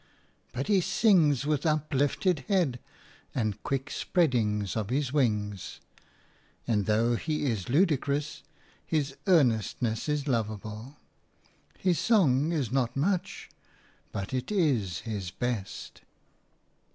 But he sings with uplifted head and quick spreadings of his wings; and though he is ludicrous, his earnestness is lovable. His song is not much, but it is his best.